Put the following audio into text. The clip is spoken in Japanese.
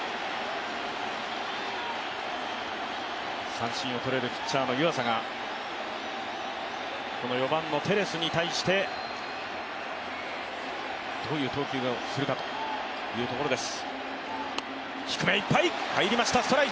三振をとれるピッチャーの湯浅がこの４番のテレスに対してどういう投球をするかというところです。